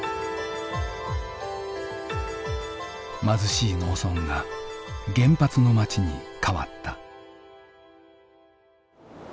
貧しい農村が原発の町に変わった。